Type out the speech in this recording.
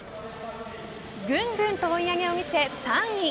ぐんぐんと追い上げを見せ３位。